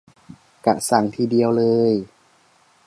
กะสั่งทีเดียวเลย